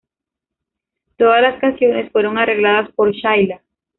Todas las canciones fueron arregladas por Shaila.